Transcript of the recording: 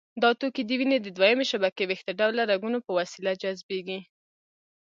دا توکي د وینې د دویمې شبکې ویښته ډوله رګونو په وسیله جذبېږي.